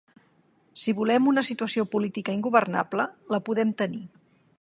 Si volem una situació política ingovernable, la podem tenir.